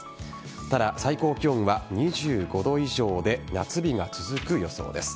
ただ、最高気温は２５度以上で夏日が続く予想です。